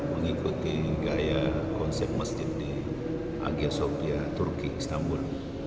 mengikuti gaya konsep masjid di hagia sofia turkiye istanbul